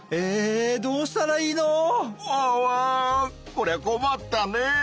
こりゃこまったねぇ！